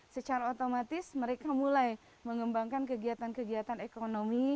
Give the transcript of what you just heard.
secara otomatis mereka mulai mengembangkan kegiatan kegiatan ekonomi